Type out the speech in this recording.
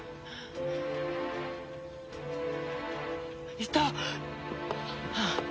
いた！